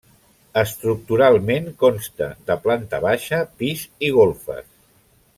Estructuralment consta de planta baixa, pis i golfes.